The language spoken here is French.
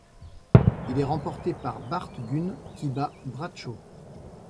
Il est remporté par Bart Gunn qui bat Bradshaw.